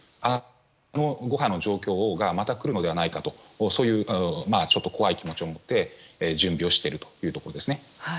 あの第５波の状況がまた来るのではないかというそういう怖い気持ちを持って準備をしているというところです。